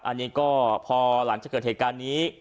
อันนี้ก็พอหลังจากเกิดเหตุการณ์นี้